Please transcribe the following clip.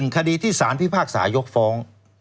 คดีที่สารพิพากษายกฟ้อง